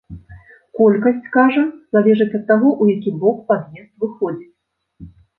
Колькасць, кажа, залежыць ад таго, у які бок пад'езд выходзіць.